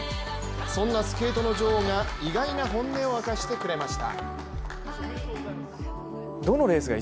そんなスケートの女王が意外な本音を明かしてくれました。